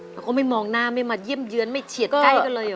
แล้วก็ไม่มองหน้าไม่มาเยี่ยมเยือนไม่เฉียดใกล้กันเลยเห